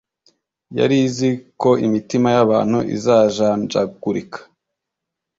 yari izi ko imitima y'abantu izajanjagurika